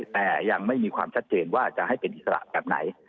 แต่ยังไม่มีความชัดเจนว่าจะให้เป็นอิสระแบบไหน